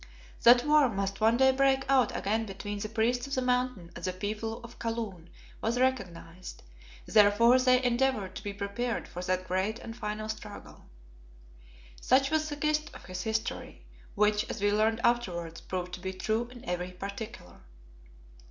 That war must one day break out again between the priests of the Mountain and the people of Kaloon was recognized; therefore they endeavoured to be prepared for that great and final struggle. Such was the gist of his history, which, as we learned afterwards, proved to be true in every particular.